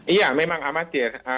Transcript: iya memang amatir